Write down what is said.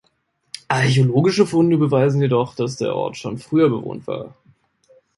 Archäologische Funde beweisen jedoch, dass der Ort schon früher bewohnt war.